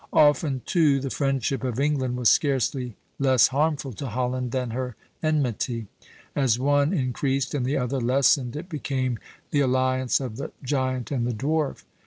Often, too, the friendship of England was scarcely less harmful to Holland than her enmity. As one increased and the other lessened, it became the alliance of the giant and the dwarf."